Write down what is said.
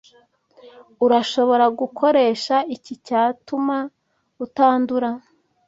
Urashobora gukoresha iki cyatuma utandura?